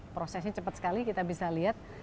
prosesnya cepat sekali kita bisa lihat